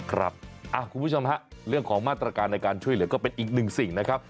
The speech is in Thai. คุณผู้ชมฮะเรื่องของมาตรการในการช่วยเหลือก็เป็นอีกหนึ่งสิ่งนะครับ